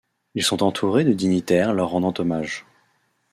Ils sont entourés de dignitaires leur rendant hommage.